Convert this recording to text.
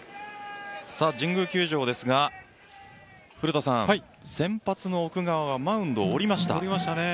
神宮球場ですが古田さん、先発の奥川がマウンドを降りました。